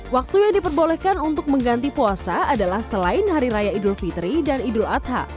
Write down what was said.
waktu yang diperbolehkan untuk mengganti puasa adalah selain hari raya idul fitri dan idul adha